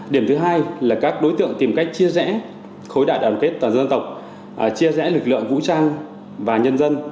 điểm thứ hai là các đối tượng tìm cách chia rẽ khối đại đoàn kết toàn dân tộc chia rẽ lực lượng vũ trang và nhân dân